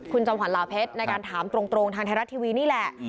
คุณจมหวันลาเพศในรายการถามตรงทางไทยรัฐทีวี